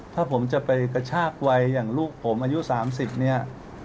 ถ้าผมจะไปกระชากวัยอย่างลูกผมอายุ๓๐เนี่ย